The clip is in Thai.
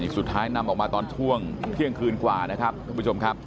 สุดท้ายนำออกมาตอนช่วงเที่ยงคืนกว่านะครับทุกผู้ชมครับ